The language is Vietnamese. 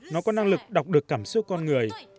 nó có năng lực đọc được cảm xúc con người